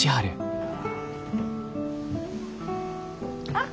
あっ。